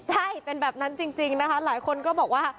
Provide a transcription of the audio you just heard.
ใช่เป็นแบบนั้นจริงนะคะหลายคนก็บอกว่า